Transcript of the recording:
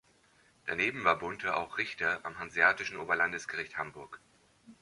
Daneben war Bunte auch Richter am Hanseatischen Oberlandesgericht Hamburg.